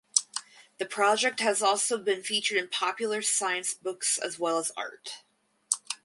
The project has also been featured in popular science books as well as art.